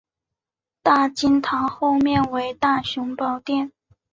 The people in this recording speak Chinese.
大经堂后面为大雄宝殿。